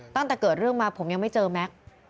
ตั้งแต่เกิดเรื่องมาผมยังไม่เจอแม็กซ์